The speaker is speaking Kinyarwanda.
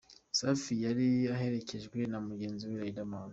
Safi yari aherekejwe na mugenzi we, Riderman.